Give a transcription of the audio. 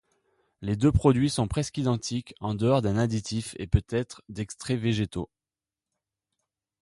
Les deux produits sont presque identiques en dehors d'un additif et peut-être d'extraits végétaux.